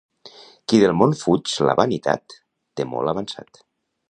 Qui del món fuig la vanitat, té molt avançat.